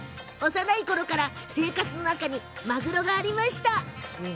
幼いころから生活にマグロがありました。